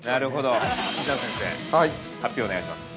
◆伊沢先生、発表をお願いします。